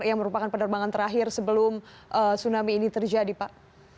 yang merupakan penerbangan terakhir sebelum tsunami ini terjadi pak